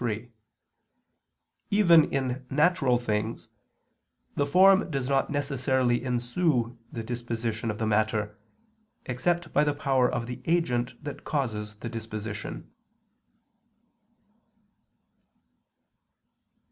3: Even in natural things, the form does not necessarily ensue the disposition of the matter, except by the power of the agent that causes the disposition.